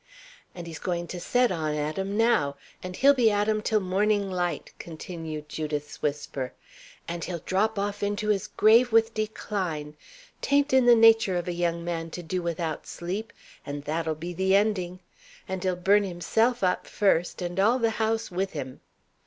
"And he is going to set on at 'em, now, and he'll be at 'em till morning light!" continued Judith's whisper. "And he'll drop off into his grave with decline! 'taint in the nature of a young man to do without sleep and that'll be the ending! And he'll burn himself up first, and all the house with him."